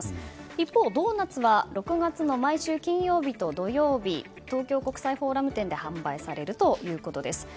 一方、ドーナツは６月の毎週土曜日と金曜日東京国際フォーラム店で販売されるということです。